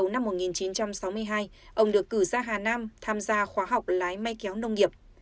năm một nghìn chín trăm sáu mươi hai ông được cử ra hà nam tham gia khóa học lái may kéo nông nghiệp